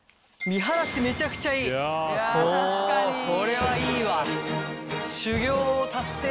これはいいわ！